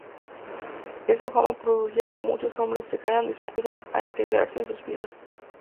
Esa fama producía que muchos hombres llegaran dispuestos a integrarse en sus filas.